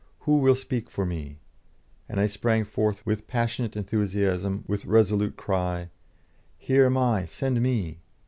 Who will speak for me?" And I sprang forward with passionate enthusiasm, with resolute cry: "Here am I, send me!"